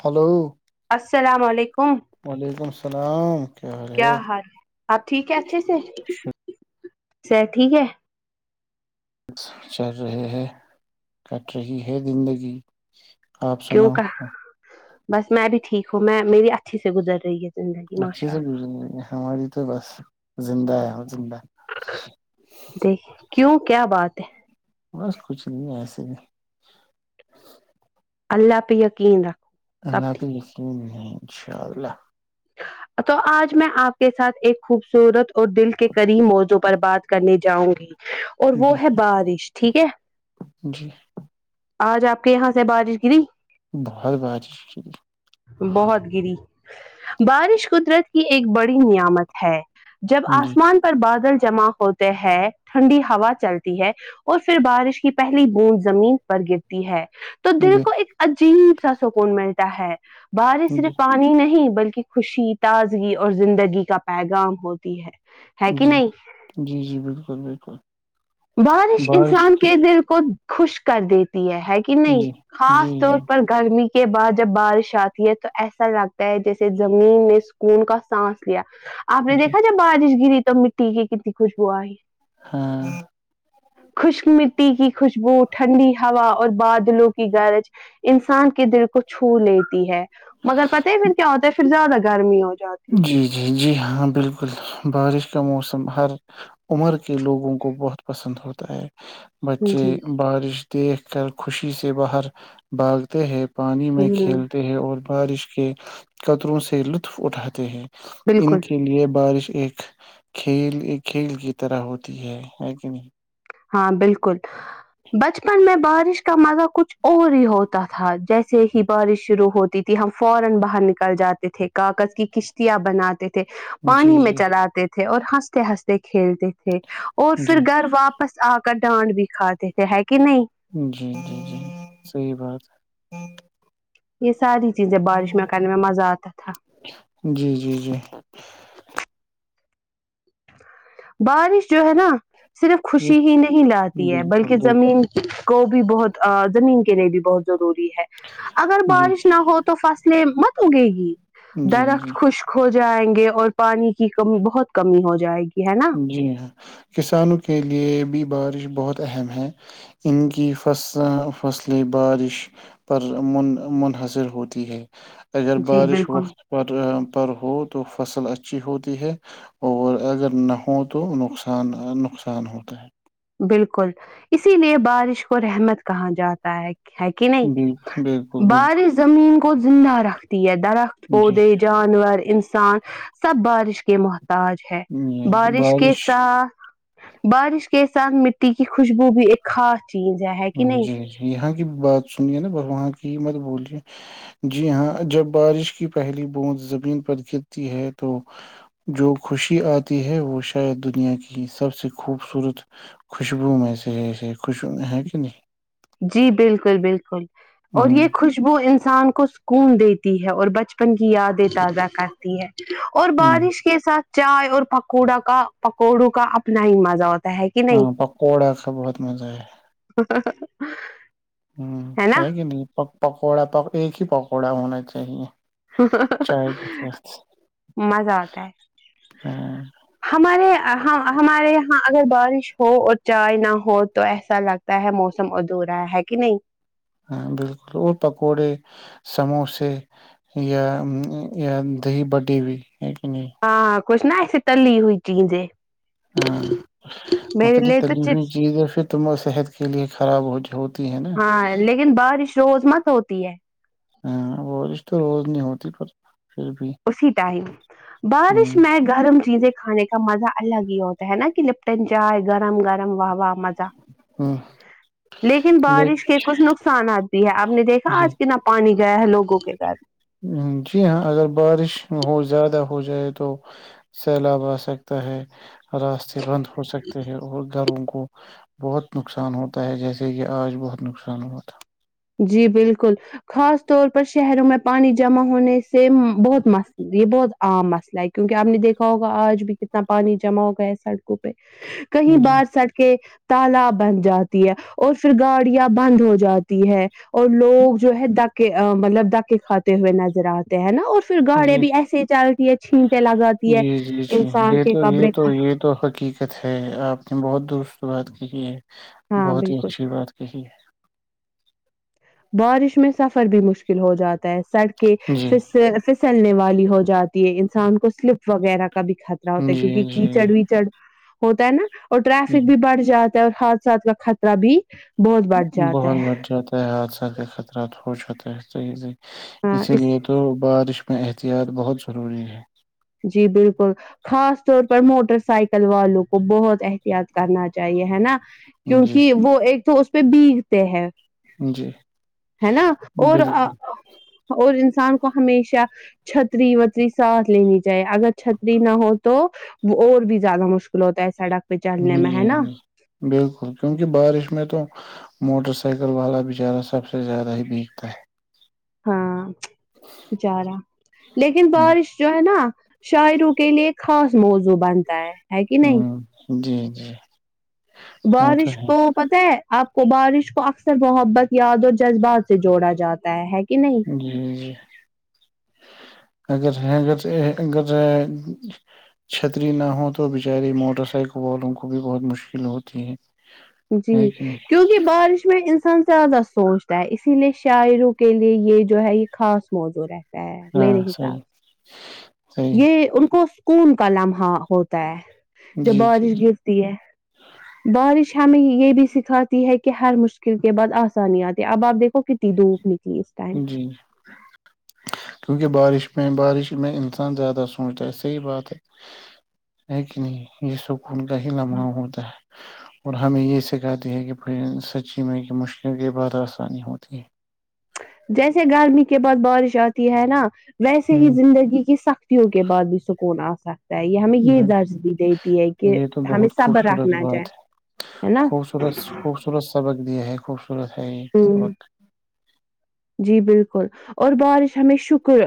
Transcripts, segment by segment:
Hello السلام علیکم وعلیکم السلام کیا حال ہے ہپ ٹھیک ہے اچھے سے سر ٹھیک ہے چل رہے ہیں کٹ رہی ہے زندگی آپ کیوں سناؤ کا بس میں بھی ٹھیک ہوں میں میری اچھی سے گزر رہی ہے زندگی اچھے ماشاء سے اللہ گزندی ہماری تو بس زندہ ہے زندہ دیک کیوں کیا بات [unintelligible] بس کچھ نہیں ایسے ہی اللہ پ کی رہا اللہ حافظ انشاء اللہ تو آج میں آپ کے ساتھ ایک خوبصورت اور دل کے کرری موضوع پر بات کرنے جاؤں گی اور وہ جی ہے بارش ٹھیک ہے جی [inaudible] آج آپ کے یہاں سے بارش گری بہت باتی ش بہت گری بارش قدرت کی ایک بڑی نعمت ہے جب جی آسمان پر بادل جمع ہوتے ہیں ٹھنڈی ہوا چلتی ہے اور پھر بارش کی پہلی بوند زمین پر گرتی ہے تو دل جی کو ایک جیب سا سکون ملتا ہے [inaudible] بارشر جی پانی نہیں [inaudible] بلکہ [inaudible] خوشی تازگی اور زندگی کا پیغام ہوتی ہے ہے کہ جی نہیں جی جی بالکل بالکل بارش انسان تھی کے [inaudible] دل کو خوش کر دی تھ [inaudible] ہے کہ نہیں خاص جی طور جی پر گرمی کے بعد جب بارش آتی ہے تو ایسا لگتا ہے جیسے زمین نے سکون کا سانس لیا آپ نے جی دیکھا جائے بارش گری تو مٹی کے کنی خوشبوا ہی ہاں [inaudible] خوشک مٹی کی خوشبو ٹھنڈی ہوا اور بادلوں کی گرج انسان کے دل کو چھو لیتی ہے مگر پتاہ ہی پھر کیا ہوتا ہے زیاد گرمی ہوتیی جی جی جی ہاں بالکل بارش کا موسم ہر عمر کے لوگوں کو بہت پسند ہوتا ہے ہے بچے جی بارش [inaudible] دیکھ کر خوشی سے باہر بھاگتے ہیں [inaudible] پانی میں ہوں کھیلتے ہیں اور [inaudible] بارش کے قطروں سے لطف اٹھاتے ہیں [inaudible] ان بالکل کے لیئے بارش ایک کھیل ایک کھیل کی طرح ہوتی ہے ہے کہ نہیں ہاں بالکل بچپن میں بہت [unintelligible] جی، پانی میں چلاتے تھے اور ہنستے ہنستے کھیلتے تھ اور پھر جی، گھر واپس آ کر ڈانڈ بھی کھاتے تھے ہے کہ نہیں جی جی جی صحیح بات ہے ہ [unintelligible] یس [unintelligible] ساری چیزیں بارش میں کرنے میں مزہ آتا تھا ہے۔ جی، جی، جی، بارش جو ہے نا صرف یہ- خوشی ہی نہیں لاتی ہے بالکل، بلکہ بالکل، زمین کو بھی بہت زمین کے لیے بھی بہت جض [unintelligible] ہے اگر جی، بارش نہ ہو تو فصلیں متم گے گی جی، جی۔ درخت خوشخوش جائیں گے اور پانی کی کمی بہت کمی ہوتی جائے جی ہاں کسانوں کے لیے بھی بارش بہت اہم ہیں ان کی فص فصلیں بارش پر من منحصر ہوتی ہے اگر جی بارش بالکل وقت پر پر ہو تو فصل اچ اچھی ہوتی ہے اور اگر نہ ہوں تو نقصان نقصان ہوتا ہے بالکل اسی لیے بارش کو کو رحمت کہاں جاتا ہے کہ ہے کہ نہیں بالکل بالکل بالکل بارش زمین کو زندہ رکھتی ہے درخت جی پودے جانور سان سب بارش کے موت تاج ہے جی جی، بارش کے ساتھ بارش کے ساتھ مٹی کی خوشبو بھی ایک خا چیز ہے کہ نہیں جی جی یہاں بات سنیے نا ب وہاں کی مت بولیے جی ہاں جب بارش کی پہلی بوند زمین پر گرتی ہے تو جو خوشی آتی ہے وہ شاید دنیا کی سب سے خوبصورت خوشبو میں سے خوش چنی [unintelligible] جی بالکل بالکل اور یہ خوشبو انسان کو سکون دیتی تی ہے اور بچپن کی یادیں تازہ کرتی ہے اور ہ بارش کے ساتھ چائے اور پکوڑا کا پکوڑوں کا اپنا ہی مزہ ہوتا ہے کہ نہیں ہاں پکوڑا کا بہت مزہ ہے ہاں ہوں ہےگ نہیں پک پک پکوڑا پ ایک ہی پکوڑا ہونا چاہیے چائے کے ساتھ مزہ آتا ہے ہاں ہمارے ہمارے یہاں اگر بارش ہو اور چائے نہ ہو تو ایسا لگتا ہے موسم ادھورورا ہے کہ نہیں ہاں بالکل اور پکوڑے سموسے یا یا دہی بٹیی ہوئی ایک کہ نہیں کچش ن ایسے تلی ہوئی چیزیں ہاں مک میرے لیے تو تلیف چپس چیز ہے پھر تماری صحت کے لیے خراب ہو ہوتی ہے نا ہاں لیکن بارش روز مت ہوتی ہے ہاں روزش تو روز نہیں ہوتی پر پھر بھی اسی ٹائم بارش ہ میں گرم چیزیں کھانے کا مزہ الگ ہی ہوتا ہے نا کہ لپٹن چائے گرم گرم واہ واہ مز لیکن ل بارش کے کچھ نقصانات بھی ہے آپ نے دیکھا جی آج کنا پانی گ ہے لگوں کے سار جی ہاں اگر بارش ب زیادہ ہو جائے تو سیلاب آ سکتا ہے راستے بند ہو سکتے ہیں اور گروں کو کو بہت نقصان ہوتا ہے جیسے کہ آج بہت نقصان ہوا تھا جی بالکل خاص طور پر شہروں میں پانی جمع ہونے سے بہت مس یہ بہت عام مسئلہ ہے کیونکہ آپ نے دیکھا ہوگا آج بھی کتنا پانی جمع ہو گیا ہے سڑکوں پہ کہیں جی بار سٹ کے تال بن جاتا ہے اور پھر گاڑیاں بند ہو جاتی ہے اور لوگ جو ہے ڈکے مطلب ڈاکے کھاتے ہوئے نظر آتے ہیں ہے نا اور پھر جی گاڑیاں بھی ایسے ہی چلتی ہے چھینٹیں لگاتی ہے جی جی جی انسان یہ کے تو یہ کپڑے تو خراب۔ یہ تو حقیقت ہے آپ نے بہت دست شروعات کی ہے ہاں بہت ہی بالکل اچھی بات کہی ہے بارش میں سفر بھی مشکل ہو جاتا ہے سڑک ہے جی پ پسلنے والے وال ہو جاتی انسان کو سلپ وغیرہ کا بھی خطرہ ہوتا ہے جی کیونکہ کی چڑھ بھیی جی چڑھ ہوتا ہے نا اور ٹریفک بھی بڑھ جاتا اور حاتھثاتھ کا خطرہ بھی بہت بڑھ جاتا بہت ہے بٹ جاتا ہے ہ سے [unintelligible] ہاں اسی اس لیے تو بارش اس میں احتیاط بہت ضروری ہے جی بالکل خاص طور پر موٹر سائیکل والوں کو بہت احتیاط کرنا چاہیے ہے نا جی کیونکہ وہ ایک تو پہ بیگتے ہیں جی ہے نا اور بالکل اور انسان کو ہمیشہ چھتری وتری ساتھ لینی اگر چھتری نہ ہو تو اور بھی زیادہ مشکل ہوتا ہے ایسا ڈ جی ج بالکل کیونکہ بارش میں تو موٹر سائیکل والا بچارہ سب سے زیادہ ہی بیگتا ہے ہاں جارا لیکن ہوں بارش جو ہے نا شاعروں کے لیے خاص موضوع بنتا ہے ہے کہ نہیں ہوں، [inaudible] وہ تو بارش ہے کو پتہ ہے آپ کو بارش کو اکثر محبت یاد اور جذبات سے جوڑا جاتا ہے کہ نہیں جی جی اگر اگر اگر چھتری نہ ہو تو بچاریے موٹر سائیکل والوں کو بھی بہت مشکل ہوتی ہے جی ہے کہ نہیں کیونکہ بارش میں ان زیادہ سوچتا ہے اسی لیے شاعروں کے لیے یہ جو ہے یہ خاص موزور ہے ہاں میرے حساب صحیح سے صحیح یہ ان کو سکون کلام ہوتا ہے جب جی جی بارش گرتی ہے بارش یہ بھی سکھاتی ہے کہ ہر مشکل کے بعد آسانی آتی ہے اب آپ دیکھو وہ کنی دھوپ نکلی اس ٹائم جی جی کیونکہ بارش میں بارش میں انسان زیادہ سوچتا ہے صحیح بات ہے ہے کہ نہیں یہ سکون کا ہی لمحہ ہوتا ہے اور ہمیں یہ سکھاتی ہے کہ پھر سچی میں کہ مشکل کے بعد آسانی ہوتی ہے جیسے گرمی کے بعد بارش آتی ہے نا ویسے ہی زندگی کی سختیوں کے بعد بھی سکون آ سکتا ہے یہ ہمیں یہ بال درج بھی دیتی ہے کہ یہ تو ہمیں بہت صبر خوبصورت رکھنا چاہے بات ہے ہے نا خوبصورت خوبصورت سبق بھی ہے خوش ہے ہوں سبت جی بالکل اور بارش ہمیں شکر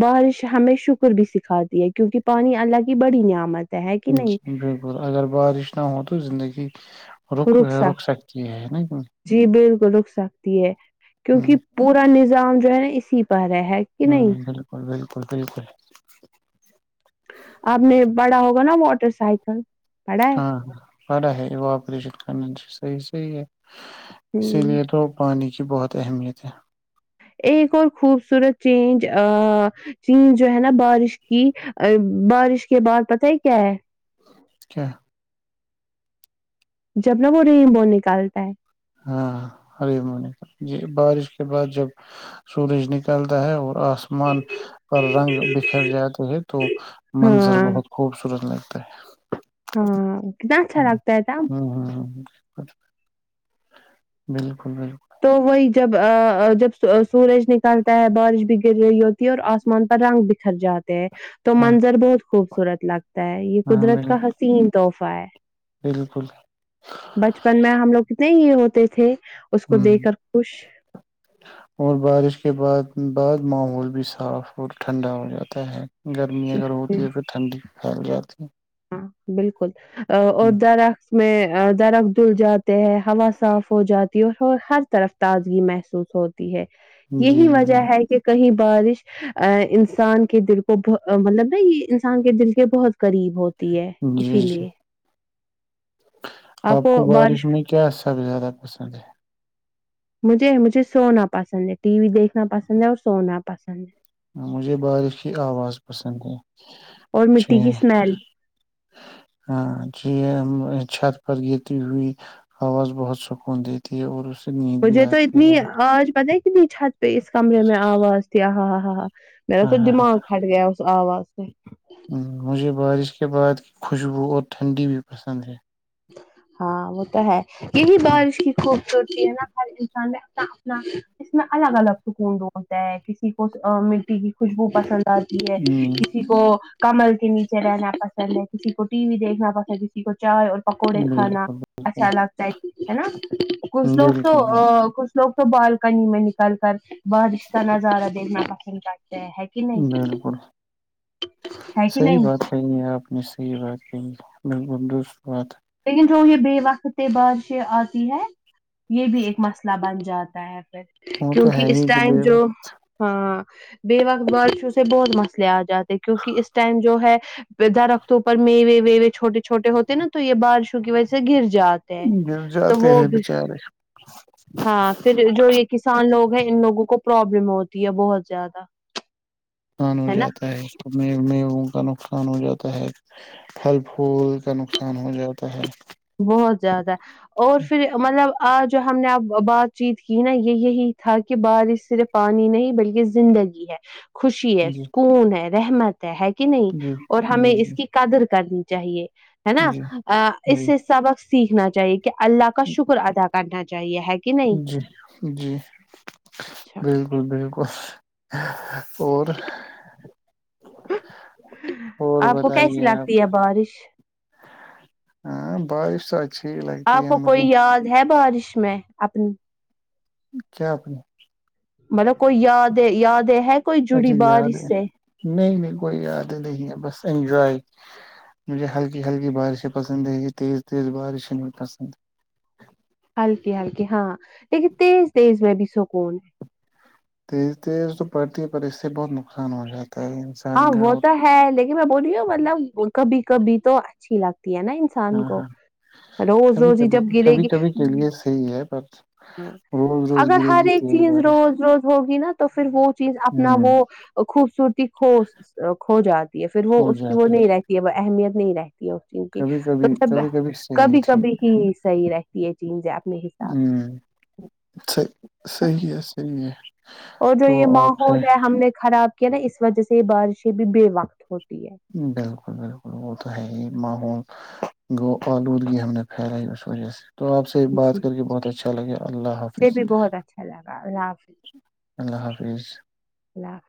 بارش ہمیں شکر بھی سکھاتی ہے کیونکہ پانی اللہ کی بڑی نعمت ہے کہ جی نہیں بالکل اگر بارش نہام ہو تو زندگی رک سک سکتی ہے نا جی بالکل رک سکتی ہے ہ کیونکہ پورا نظام جوا اسی پرار ہے کہ ہوں نہیں بالکل بالکل کوک پ آپ نے پڑا ہوگا نا موٹر سائیکل پڑھا ہے ہاں ہاں بڑا ہے وہ آپریشن کرنا صحیح صحی ہے اسی ہ لیے تو پانی کی بہت تو اہمیت ہے ایک اور خوبصورت چیز چیزجو ہے نا بارش کی بارش کے بعد پت ہے کیا ہے کیا جب نہ وہ ریمبو نکالتا ہے ہاں ہر مونکا جی بارش کے بعد جب سورج نکالتا ہے اور آسمان پر رنگ بکھر جاتے ہے تو منظر ہاں بہت خوبصورت لگتا ت [inaudible] ہاں کتنا اچھا لگتا ہے تھا اچا بالکل بالکل تو وہی جب جب سورج نکالتا ہے بارش بھی گر رہی ہوتی ہے اور آسمان پر رنگ بکھر جاتا تو ہاں منظر بہت خوبصورت لگتا ہے یہ ہاں قدرت کا بالکل حسین تحفہ فائے بالکل [inaudible] بچپن میں ہم لوگ کتنے ہی ہوتے تھے اس ہ کو دیکھ کر خوش اور بارش کے بعد بعد ماحول بھی صاف اور ٹھنڈا ہو جاتا ہے گرمی اگر ہوتی ہے پھر ٹھنڈی ہ گیا تھی بالکل ا اد ر میں درخت دھل جاتے ہے ہوا صاف ہو جاتی ہے اور ہر طرف تازگی محسوس ہوتی ہے جی یہی وجہ ہے کہ کہیں بھی بارش ا انسان کے دل کو مطلب نا یہ انسان کے دل کے بہت قریب ہو ہے جی اسی جی لیے آپ کو بارش میں کیا سب زیادہ پسند ہے مجھے مجھے سونا پسند ہے ٹی وی دیکھنا پسند ہے اور سونا پسند ہے مجھے بارش کی آواز پسند ہے اور جھ مٹی کی اسمیل ہاں جی چھت پر گرتی ہوئی آواز بہت سکون دیتی ہے اور اس سے نیند بھی مجھے تو آتی ہے اتنی بہت آج بتائی نی چھت پہ ا اس کمے میں آواز ت آہا آ ہا ہ میر دا دماغ پھٹ گیا اسس آواز سے ہ مجھے بارش اس کے بعد خوشبو اور ٹھنڈی بھی پسند ہے ہاں وہ تو ہے یہی ہ بارش کی کو ہوتی ہے نا ہر انسان میں اپنا اپنا اس میں الگ الگ سکون ڈولتا ہے کسی کو مٹی کی خوشبو پسند آتی ہے کسی کو کمل کے نیچے رہنا پسند ہے کسی کو ٹی وی دیکھنا پسند کسی کو چائے اور پکوڑے کھانا بالکل بالکل اا لگتا ہے ہے نا کش لوک بالکل توو کش لوک تو بالکنی میں نکل کرتے بارشت ن زارا دیننا پس کا ہیں ہے کہ نہیں بالکل ہے کہ صحیح نہیں بات کہی ہے آپ نے صحیح بات ج م بندست بات ہے لیکن جو یہ بے وقت بادش آتی ہے یہ بھی ایک مسئلہ بن جاتا ہے وہ تو ہے کیونکہ اس ہی کہ ٹائم بے جو وقت ہاں بیوک برڈ فلو سے بہت مسئلے آ جاتے کیونکہ اس ٹائم جو ہے درختوں پر میوے ویوے چھوٹے چھوٹے ہوتے نا یہ بارشوں کی وجہ سے گر ج جاتے ہیں گر تو جاتے وہ ہیں بھی بےچارے ہاں پھر جو یہ کسان لوگ ہیں ان لوگوں کو پرابلم ہوتی ہے بہت زیادہ آان ہو جاتا ہے کا نقص نقصان ہو جاتا ہے پھل پھول کا نقصان ہو جاتا ہے بہت زیادہ اور پھر مطلب آ جو ہم نے اب بات چیت کی نا یہ یہی تھا کہ بارش صرف پانی نہیں بلکہ زندگی ہے خوشی ہے جی سکون ہے رحمت ہے کہ نہیں جی اور ہمیں جی جی اس کی قدر کرنی چاہیے ہے نا جی ا جی اس [unintelligible] وقت سیکھنا چاہیے اللہ کا شکر ادا کر کرنا چاہیے ہے کہ نہیں جی جی اچھا بالکل بالکل اور اور آپ کو کیسی بتائیے آپ لگتی ہے بارش ہاں بارش اچھی ہی لگتی آپ ہے کو مجھے کوئی یاد ہے بارش میں اپ اچ کیا اپنی مطلب کوئی یاد ہے یاد ہے ہے کوئی جڑی اچھی بار یاد اس ہے سے نہیں نہیں کوئی یاد ہے نہیں ہے بس انجوائے مجھے ہلکی ہلکی بارشیں پسند ہے یہ تیز تیز بارشیں م پسند ہلکی ہلکی ہاں لیکن تیز تیز میں بھی سکون ہے تز تز تو پرتی اس سے بہت نقصان ہو جاتا تو انسان ہاں گا وہ تو ہے لیکن میں بولی ہوں مطلب کبھی کبھی تو اچھی لگتی ہے نا انسان ہاں کو ہاں روز کبھی روز ہی کبھی جب گرے کبھی گی کبھی کے لیے صحیح ہے پر ہ روز روز اگر گرے ہر گی ایک تیز چیز بارش روز روز ہوگی نا تو تو پھر وہ چیز اپنا ہ وہ خوبصورتی کھو کھو جاتی ہے پھر وہ ہو اس کی وہ جاتی نہیں رہتی ہے اہمیت نہیں رہے اس چین کی کبھی کبھی تو سب کبھی صحیح ہے کبھی ٹھیک کبھی ہی صحیح رہتی ہے چین سے اپنے حساب سے ہوں صحیح صحیح ہے صحیح ہے اور جو تو یہ آپ سے ماحول ہے ہم نے خراب کیا نا اس وجہ سے یہ بارشیں بھی بے وقت ہوتی ہے بالکل بالکل وہ تو ہے ہی محول [unintelligible] گو آلودگی حمیت پیرائی میں اس سوچس تو آپ سے بات جی کر کے بہت اچھا لگے اللہ مجھے حافظ بھی بہت اچھا لگا اللہ حافظ اللہ حافظ سز [unintelligible] اللہ